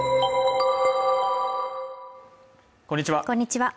こんにちは